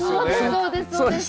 そうですそうです。